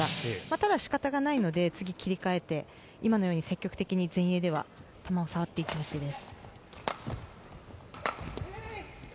ただ、仕方がないので次切り替えて今のように積極的に前衛では触っていってほしいです。